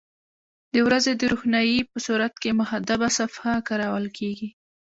د ورځې د روښنایي په صورت کې محدبه صفحه کارول کیږي.